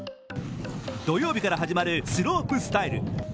土曜日から始まるスロープスタイル。